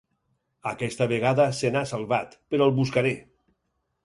Aquesta vegada se n'ha salvat, però el buscaré.